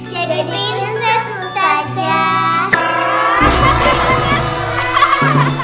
jadi prinses ustazah